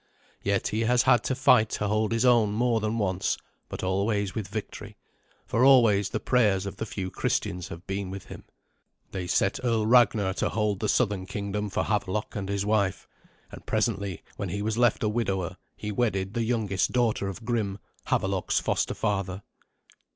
Yet he has had to fight to hold his own more than once, but always with victory, for always the prayers of the few Christians have been with him. They set Earl Ragnar to hold the southern kingdom for Havelok and his wife; and presently, when he was left a widower, he wedded the youngest daughter of Grim, Havelok's foster father.